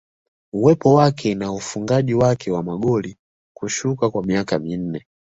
Uwepo wake na ufungaji wake wa magoli kushuka kwa miaka minne